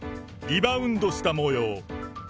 リバウンドしたもよう。